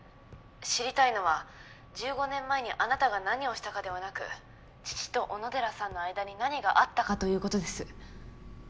知りたいのは１５年前にあなたが何をしたかではなく父と小野寺さんの間に何があったかということです。